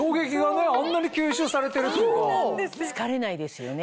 疲れないですよね。